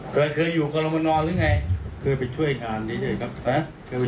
เคยเคยอยู่กรมนหรือไงเคยไปช่วยงานนี้ด้วยครับ